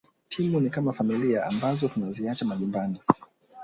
Timu ni kama familia ambazo tunaziacha majumbani